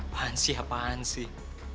apaan sih apaan sih